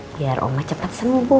biar oma cepat sembuh